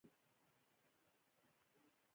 په افغانستان کې د وګړي تاریخ خورا ډېر او ډېر اوږد دی.